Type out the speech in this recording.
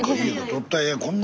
撮ったらええやん。